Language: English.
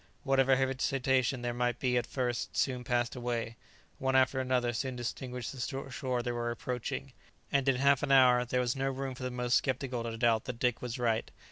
Whatever hesitation there might be at first soon passed away; one after another soon distinguished the shore they were approaching, and in half an hour there was no room for the most sceptical to doubt that Dick was right.